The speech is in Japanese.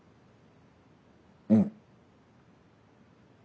うん。